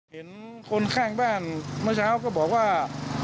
เห็นคนข้างบ้านเมื่อเช้าก็บอกว่า